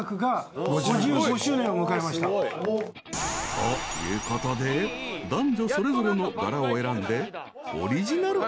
［ということで男女それぞれの柄を選んで］